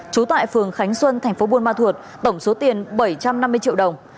chú tại phường khánh xuân tp buôn ma thuột tổng số tiền bảy trăm năm mươi triệu đồng